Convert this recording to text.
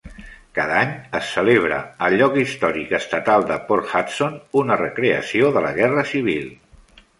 Cada any es celebra al Lloc Històric Estatal de Port Hudson una recreació de la Guerra Civil.